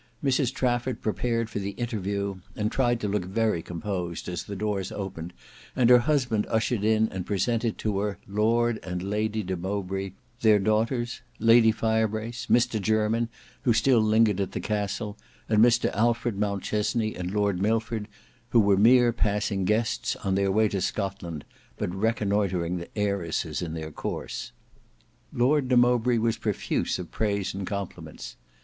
Mrs Trafford prepared for the interview, and tried to look very composed as the doors opened, and her husband ushered in and presented to her Lord and Lady de Mowbray, their daughters, Lady Firebrace, Mr Jermyn, who still lingered at the castle, and Mr Alfred Mountchesney and Lord Milford, who were mere passing guests, on their way to Scotland, but reconnoitering the heiresses in their course. Lord de Mowbray was profuse of praise and compliments.